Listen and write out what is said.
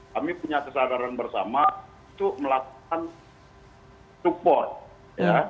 kami punya kesadaran bersama untuk melakukan support ya